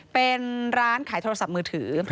เป็นร้านขายโทรศัพท์มือถือ